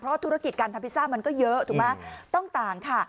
เพราะธุรกิจการทำพิซซ่ามันก็เยอะถูกไหมต้องต่างค่ะ